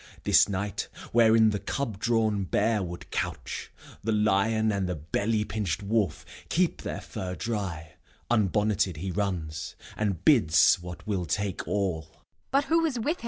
This night, wherein the cub drawn bear would couch, The lion and the belly pinched wolf Keep their fur dry, unbonneted he runs, And bids what will take all.